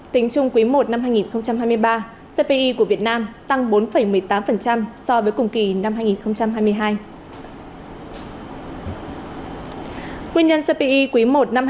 tính chung quý i năm hai nghìn hai mươi ba cpi của việt nam tăng bốn một mươi tám so với cùng kỳ năm hai nghìn hai mươi hai